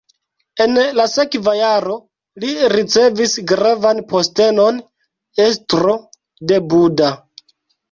En la sekva jaro li ricevis gravan postenon: estro de Buda.